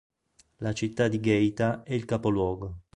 La città di Geita è il capoluogo.